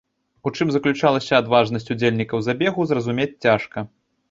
У чым заключалася адважнасць удзельнікаў забегу, зразумець цяжка.